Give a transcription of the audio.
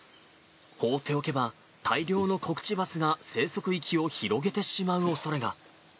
放っておけば、大量のコクチバスが生息域を広げてしまうおそれが。